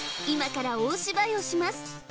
今から大芝居をします